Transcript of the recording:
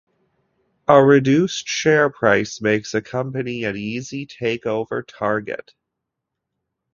A reduced share price makes a company an easier takeover target.